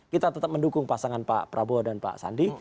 kita tetap mendukung pasangan pak prabowo dan pak sandi